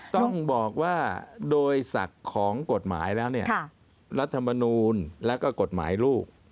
ต้องบอกว่าโดยศักดิ์ของกฎหมายแล้วเนี่ยรัฐมนูลแล้วก็กฎหมายลูก